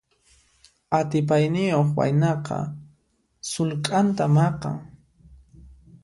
Atipayniyuq waynaqa sullk'anta maqan.